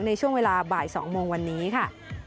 ในช่วงเวลาบ่าย๒โมงวันนี้ค่ะ